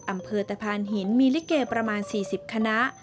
อำเภอตะพานหินมีลิเกประมาณ๔๐คณะ